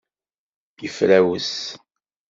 Yefrawes.